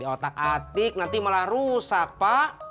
otak atik nanti malah rusak pak